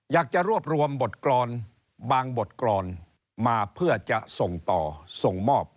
อยากจะรวบรวมบทกรอนบางบทกรอนมาเพื่อจะส่งต่อส่งมอบ